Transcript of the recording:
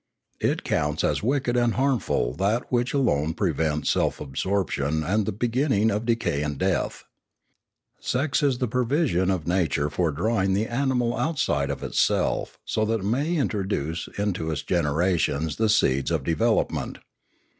It counts as wicked and harmful that which alone prevents self absorption and the be ginning of decay and death. Sex is the provision of nature for drawing the animal outside of itself so that Pioneering 45 1 it may introduce into its generations the seeds of de velopment.